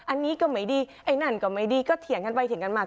อันนี้ก็ไม่ดีไอ้นั่นก็ไม่ดีก็เถียงกันไปเถียงกันมา